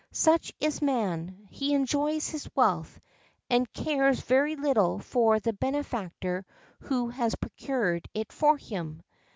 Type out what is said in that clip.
Such is man: he enjoys his wealth, and cares very little for the benefactor who has procured it for him.